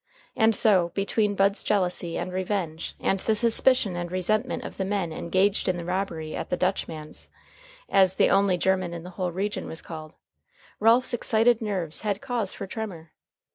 And so, between Bud's jealousy and revenge and the suspicion and resentment of the men engaged in the robbery at "the Dutchman's" (as the only German in the whole region was called), Ralph's excited nerves had cause for tremor.